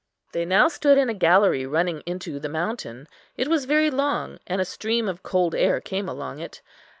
They now stood in a gallery running into the mountain. It was very long, and a stream of cold air came along it.